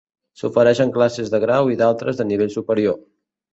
S'ofereixen classes de grau i d'altres de nivell superior.